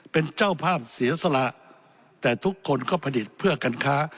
เป็นเจ้าภาพเสียสละแต่ทุกคนก็ผลิตเพื่อการค้า